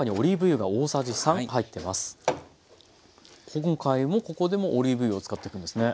今回もここでもオリーブ油を使っていくんですね。